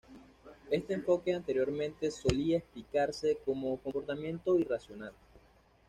Este enfoque anteriormente solía explicarse como comportamiento irracional.